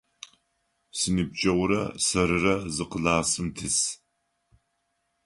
Синыбджэгъурэ сэрырэ зы классым тис.